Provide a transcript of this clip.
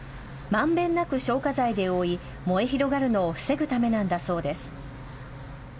まんべんなく消火剤で覆い燃え広がるのを防ぐためなんだそうです。